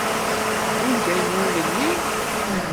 Tewwim-d ayen i wen-nniɣ?